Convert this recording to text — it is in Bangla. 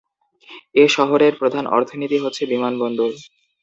এ শহরের প্রধান অর্থনীতি হচ্ছে, বিমান বন্দর।